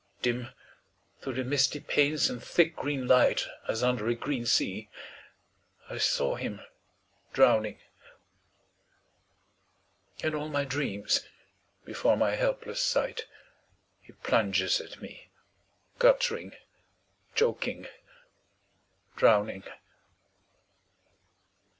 Dim, through the misty panes and thick green light As under a green sea, I saw him drowning. In all my dreams, before my helpless sight, He plunges at me, guttering, choking, drowning.